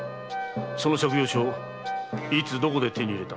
その借用書いつどこで手に入れた？